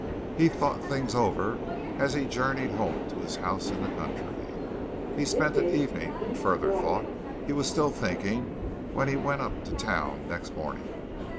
He thought things over as he journeyed home to his house in the country; he spent an evening in further thought; he was still thinking when he went up to town next morning.